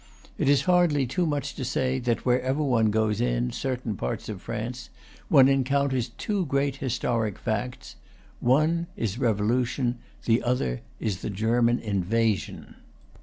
It is hardly too much to say that wherever one goes in, certain parts of France, one encounters two great historic facts: one is the Revolution; the other is the German invasion.